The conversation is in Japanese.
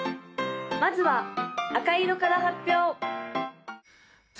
まずは赤色から発表！